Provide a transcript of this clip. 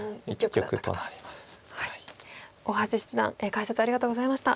大橋七段解説ありがとうございました。